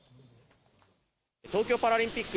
東京パラリンピック